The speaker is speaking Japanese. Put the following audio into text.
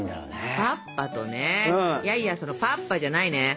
パッパとねいやいやそのパッパじゃないね！